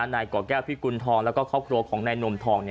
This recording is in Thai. นายก่อแก้วพิกุณฑองแล้วก็ครอบครัวของนายนมทอง